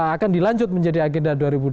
akan dilanjut menjadi agenda dua ribu dua puluh